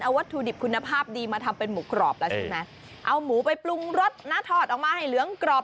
วัตถุดิบคุณภาพดีมาทำเป็นหมูกรอบแล้วใช่ไหมเอาหมูไปปรุงรสนะทอดออกมาให้เหลืองกรอบ